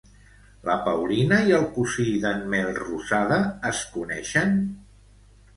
La Paulina i el cosí d'en Melrosada es coneixen?